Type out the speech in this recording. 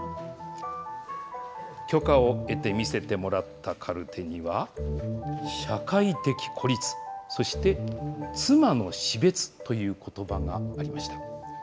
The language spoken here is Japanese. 許可を得て見せてもらったカルテには、社会的孤立、そして妻の死別ということばがありました。